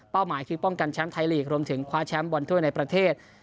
หมายคือป้องกันแชมป์ไทยลีกรวมถึงคว้าแชมป์บอลถ้วยในประเทศ